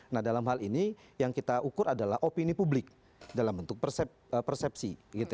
nah dalam hal ini yang kita ukur adalah opini publik dalam bentuk persepsi